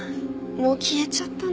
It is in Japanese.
もう消えちゃったな。